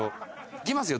いきますよ